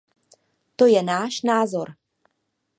To je náš názor.